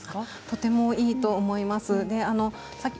とてもいいと思います。